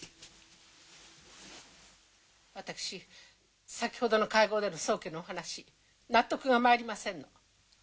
私先ほどの会合での宗家のお話納得がまいりませんの。